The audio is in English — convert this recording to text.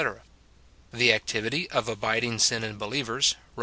— The activity of abiding sin in believers, Rom.